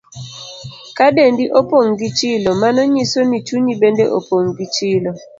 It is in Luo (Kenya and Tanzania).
Ka dendi opong' gi chilo, mano nyiso ni chunyi bende opong' gi chilo.